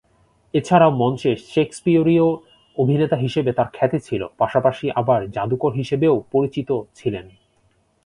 এছাড়া মঞ্চে শেক্সপিয়ারীয় অভিনেতা হিসেবে তার খ্যাতি ছিল, পাশাপাশি আবার জাদুকর হিসেবেও পরিচিত ছিলেন।